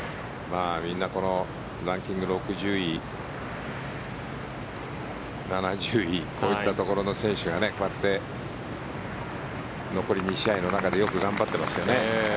みんなランキング６０位、７０位こういったところの選手がこうやって残り２試合の中でよく頑張ってますね